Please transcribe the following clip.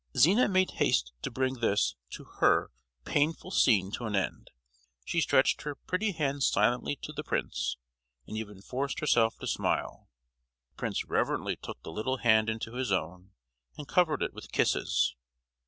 Zina made haste to bring this, to her, painful scene to an end. She stretched her pretty hand silently to the prince, and even forced herself to smile. The prince reverently took the little hand into his own, and covered it with kisses.